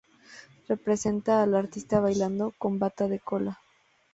Representa a la artista bailando con bata de cola.